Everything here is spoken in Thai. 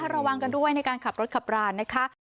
ระวังกันด้วยในการขับรถขับรานนะคะ